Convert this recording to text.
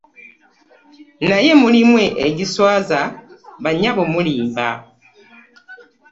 Naye mulimu egiswaza bannyabo mulimba.